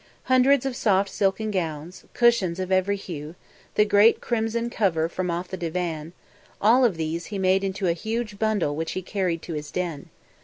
Hundreds of soft silken gowns; cushions of every hue; the great crimson cover from off the divan all of these he made into a huge bundle which he carried to his den.